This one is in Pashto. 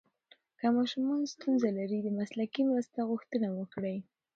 که ماشوم ستونزه لري، د مسلکي مرسته غوښتنه وکړئ.